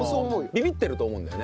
ビビってると思うんだよね。